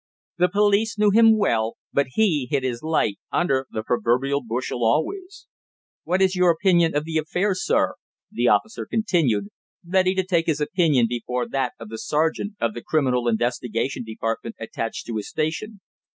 The police knew him well, but he hid his light under the proverbial bushel always. "What is your own opinion of the affair, sir?" the officer continued, ready to take his opinion before that of the sergeant of the Criminal Investigation Department attached to his station.